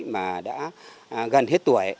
mà đã gần hết tuổi